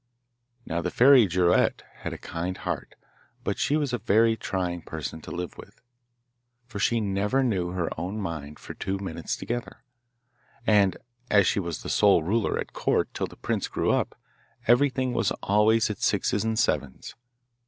Now the fairy Girouette had a kind heart, but she was a very trying person to live with, for she never knew her own mind for two minutes together, and as she was the sole ruler at Court till the prince grew up everything was always at sixes and sevens.